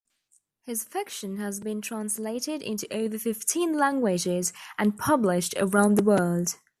His fiction has been translated into over fifteen languages and published around the world.